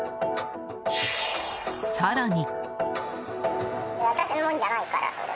更に。